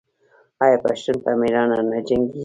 آیا پښتون په میړانه نه جنګیږي؟